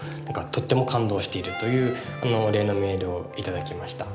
とっても感動しているというお礼のメールを頂きました。